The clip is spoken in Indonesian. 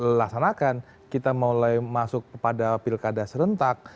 lelah sanakan kita mulai masuk kepada pilkada serentak